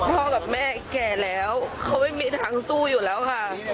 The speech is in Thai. พ่อกับแม่แก่แล้วเขาไม่มีทางสู้อยู่แล้วค่ะ